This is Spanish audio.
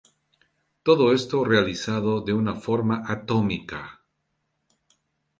Todo esto realizado de una forma atómica.